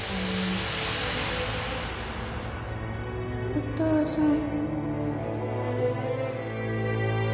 お父さん